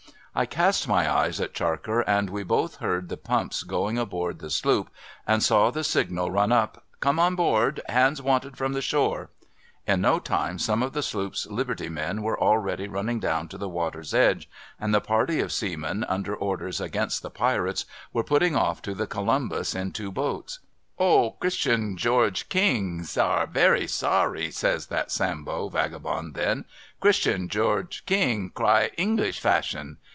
I cast my eyes at Charker, and we both heard the pumps going al)oard the sloop, and saw the signal run up, ' Come on board ; hands wanted from the shore.' In no time some of the sloop's liberty men were already running down to the Avater's edge, and the party of seamen, under orders against the Pirates, were putting off to the Columbus in two boats. ' O Christian George King sar berry sorry !' says that Sambo vagabond, then. ' Christian George King cry, English fashion